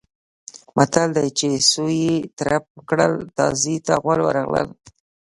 متل دی: چې سویې ترپ کړل تازي ته غول ورغلل.